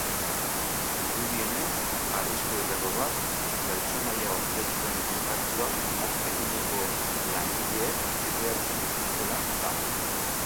Dirudienez, arriskuetako bat pertsonaia ospetsuen kontuak marketingeko langileek kudeatzen dituztela da.